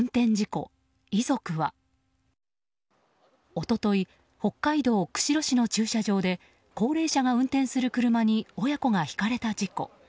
一昨日北海道釧路市の駐車場で高齢者が運転する車に親子がひかれた事故。